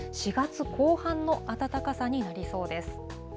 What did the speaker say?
４月後半の暖かさになりそうです。